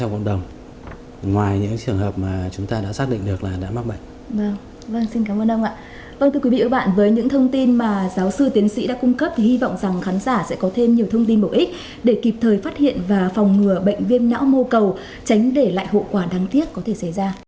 vâng thưa quý vị và các bạn với những thông tin mà giáo sư tiến sĩ đã cung cấp thì hy vọng rằng khán giả sẽ có thêm nhiều thông tin bổ ích để kịp thời phát hiện và phòng ngừa bệnh viêm não mô cầu tránh để lại hậu quả đáng tiếc có thể xảy ra